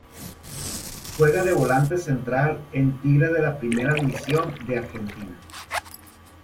Juega de volante central en Tigre de la Primera División de Argentina.